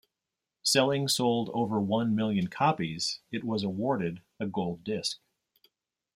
Selling sold over one million copies, it was awarded a gold disc.